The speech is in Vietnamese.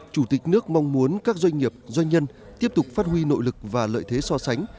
chủ tịch nước mong muốn các doanh nghiệp doanh nhân tiếp tục phát huy nội lực và lợi thế so sánh